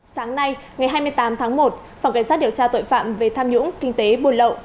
sáng nay ngày hai mươi tám tháng một phòng cảnh sát điều tra tội phạm về tham nhũng kinh tế buôn lậu